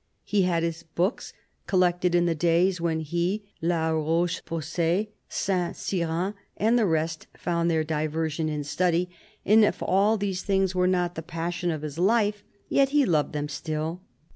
He had his books, collected in the days when he. La Rocheposay, Saint Cyran and the rest found their diversion in study; and if all these things were not the passion of his life, yet he loved them still.